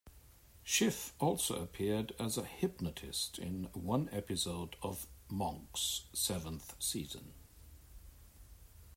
Schiff also appeared as a hypnotist in one episode of "Monk"'s seventh season.